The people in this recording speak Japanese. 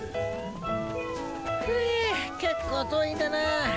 ふぇ結構遠いんだなあ。